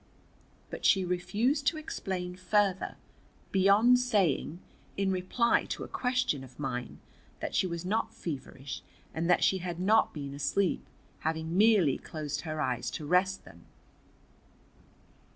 But she refused to explain further, beyond saying, in reply to a question of mine, that she was not feverish and that she had not been asleep, having merely closed her eyes to rest them.